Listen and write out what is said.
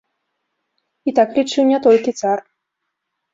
І так лічыў не толькі цар.